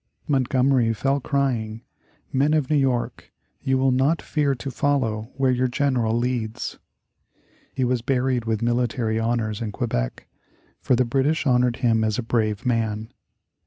Montgomery fell crying, "Men of New York, you will not fear to follow where your general leads." He was buried with military honors in Quebec, for the British honored him as a brave man.